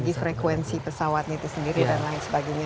dari segi frekuensi pesawatnya itu sendiri dan lain sebagainya